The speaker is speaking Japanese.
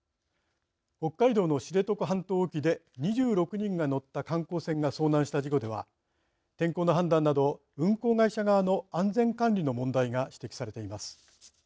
北海道の知床半島沖で２６人が乗った観光船が遭難した事故では天候の判断など運航会社側の安全管理の問題が指摘されています。